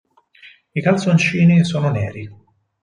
I calzoncini sono neri.